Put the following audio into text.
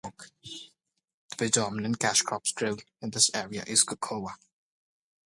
The predominant cash crops grown in this area is cocoa.